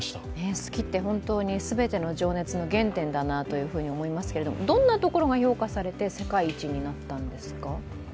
好きって本当に全ての情熱の原点だなと思いますけど、どんなところが評価されて世界一になったんですか？